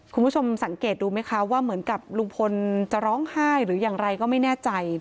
คุณผู้ชมสังเกตดูไหมคะว่าเหมือนกับลุงพลจะร้องไห้หรืออย่างไรก็ไม่แน่ใจ